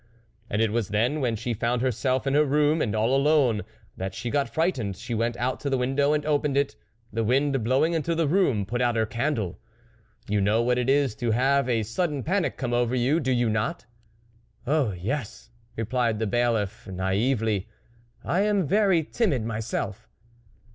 " And it was then, when she found herself in her room, and all alone, that she got frightened ; she went to the win dow and opened it ; the wind, blowing into the room, put out her candle. You know what it is to have a sudden panic come over you, do you not ?"" Oh ! yes," replied the Bailiff naively, " I am very timid myself."